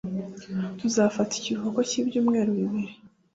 Tuzafata ikiruhuko cyibyumweru bibiri.